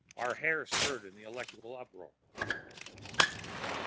Our hair stirred in the electrical uproar.